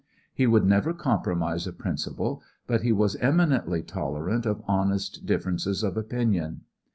He would never compromise a principle, but he was eminently tolerant of honest differences of opinion.